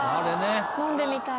飲んでみたい。